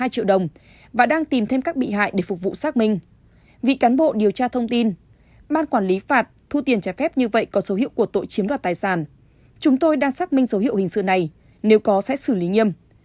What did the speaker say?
chúng tôi đang xác minh dấu hiệu hình sự này nếu có sẽ xử lý nghiêm